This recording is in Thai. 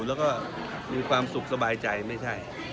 แล้วก็มีความสุขสบายใจไม่ใช่